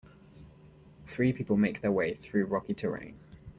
Three people make their way through rocky terrain.